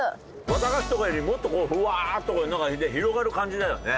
綿菓子とかよりもっとこうふわっと広がる感じだよね。